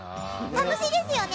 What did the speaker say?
楽しいですよね！